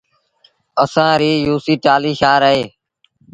اسآݩ ريٚ يوسي ٽآلهيٚ شآهر اهي